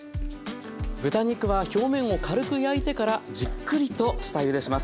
豚肉は表面を軽く焼いてからじっくりと下ゆでします。